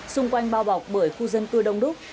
xung quanh bao bọc bởi khu dân cư đông đúc